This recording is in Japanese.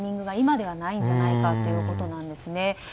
タイミングが今ではないんじゃないかということなんですね。